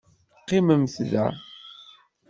Qqimemt da!